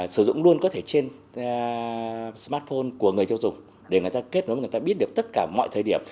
sử dụng luôn có thể trên smartphone của người tiêu dùng để người ta kết nối với người ta biết được tất cả mọi thời điểm